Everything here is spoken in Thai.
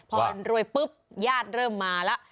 พอรวยปุ๊บญาติเริ่มมาแล้ว